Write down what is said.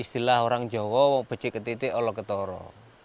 istilah orang jawa becek ke titik olah ke toro